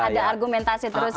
ada argumentasi terus